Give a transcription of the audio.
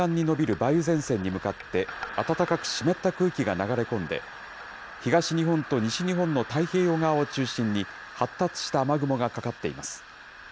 梅雨前線に向かって、暖かく湿った空気が流れ込んで、東日本と西日本の太平洋側を中心に、発達した雨雲がかかっています。